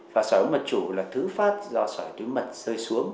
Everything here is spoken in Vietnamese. và sỏi ống mật chủ là thứ phát do sỏi túi mật rơi xuống